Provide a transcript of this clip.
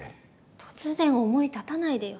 突然思い立たないでよ。